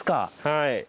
はい。